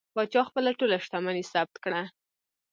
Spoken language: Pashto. پاچا خپله ټوله شتمني ثبت کړه.